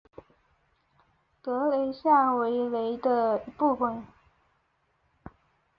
德雷下韦雷的一部分。